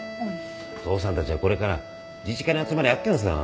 父さんたちはこれから自治会の集まりあっけんさ。